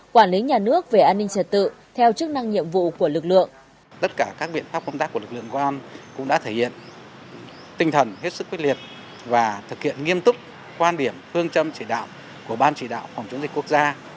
quản lý nhà nước về an ninh trật tự theo chức năng nhiệm vụ của lực lượng